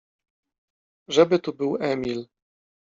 Żeby tu był Emil.